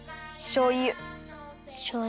しょうゆ。